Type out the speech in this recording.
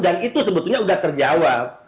dan itu sebetulnya sudah terjawab